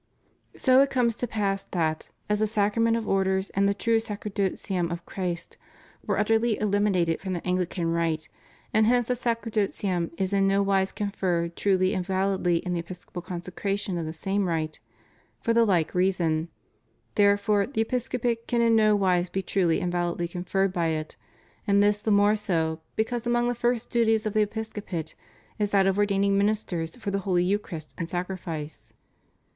So it comes to pass that, as the Sacrament of Orders and the true sacerdotium of Christ were utterly eliminated from the Anglican rite, and hence the sacerdotium is in no wise conferred truly and vaUdly in the Episcopal consecration of the same rite, for the hke reason, therefore, the Episcopate can in no wise be truly and validly conferred by it; and this the more so because among the first duties of the Episco pate is that of ordaining ministers for the Holy Eucharist and sacrifice.